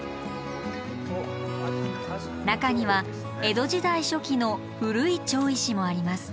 中には江戸時代初期の古い町石もあります。